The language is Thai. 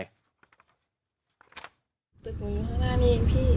ตึกหนูอยู่ข้างหน้านี่เองพี่